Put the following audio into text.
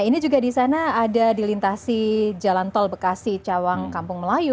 ini juga di sana ada dilintasi jalan tol bekasi cawang kampung melayu